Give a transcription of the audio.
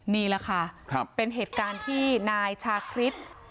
นี่แหละค่ะเป็นเหตุการณ์ที่นายชาคริส